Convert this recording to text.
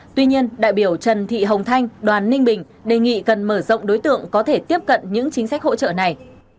tuy nhiên đại biểu trần thị hồng thanh đoàn ninh bình đề nghị cần mở rộng đối tượng có thể tiếp cận những chính sách hỗ trợ này